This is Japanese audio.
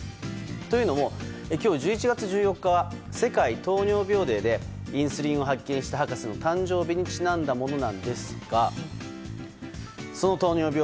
というのも、今日１１月１４日は世界糖尿病デーでインスリンを発見した博士の誕生日にちなんだものなんですがその糖尿病